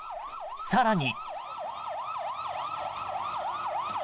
更に。